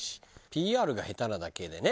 ＰＲが下手なだけでね